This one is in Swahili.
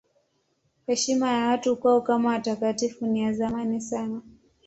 Heshima ya watu kwao kama watakatifu ni ya zamani sana.